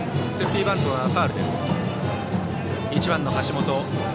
１番の橋本